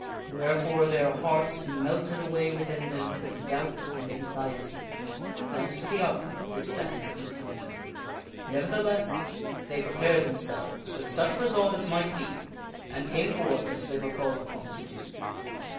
Where fore their hearts melted away within them with doubt and anxiety as to the outcome of this second encounter. Nevertheless, they prepared themselves with such resolve as might be, and came forth as they were called upon to do.